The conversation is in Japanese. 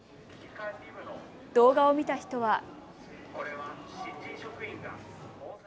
動画を見た人は。